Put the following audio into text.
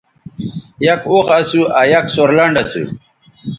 یک اوخ اسو آ یک سورلنڈ اسو